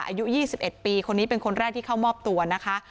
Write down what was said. อายุยี่สิบเอ็ดปีคนนี้เป็นคนแรกที่เข้ามอบตัวนะคะ